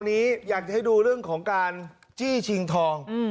นี้อยากจะให้ดูเรื่องของการจี้ชิงทอง